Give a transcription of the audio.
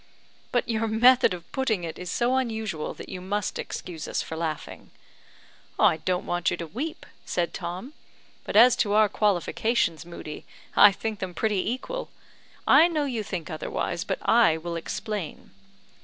"But your method of putting it is so unusual that you must excuse us for laughing." "I don't want you to weep," said Tom; "but as to our qualifications, Moodie, I think them pretty equal. I know you think otherwise, but I will explain.